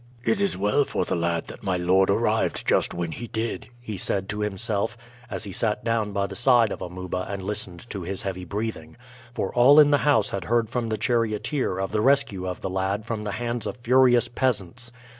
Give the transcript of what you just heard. "It is well for the lad that my lord arrived just when he did," he said to himself as he sat down by the side of Amuba and listened to his heavy breathing for all in the house had heard from the charioteer of the rescue of the lad from the hands of furious peasants.